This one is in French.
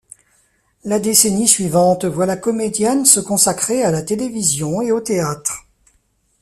La décennie suivante voit la comédienne se consacrer à la télévision et au théâtre.